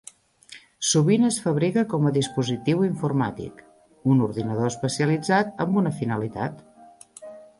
Sovint es fabrica com a dispositiu informàtic: un ordinador especialitzat amb una finalitat.